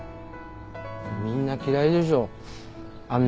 みんな嫌いでしょあんな